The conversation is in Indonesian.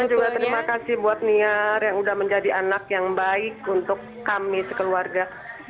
saya juga terima kasih buat niar yang sudah menjadi anak yang baik untuk kami sekeluarga